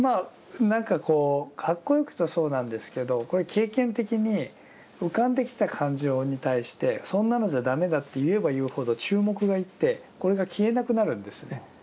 何かこうかっこよく言うとそうなんですけどこれは経験的に浮かんできた感情に対してそんなのじゃ駄目だって言えば言うほど注目が行ってこれが消えなくなるんですね。